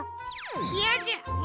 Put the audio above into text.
いやじゃ！え？